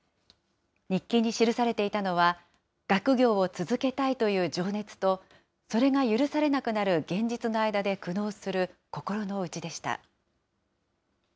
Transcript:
日記に記されていたのは、学業を続けたいという情熱と、それが許されなくなる現実の間で苦悩する心の内でした。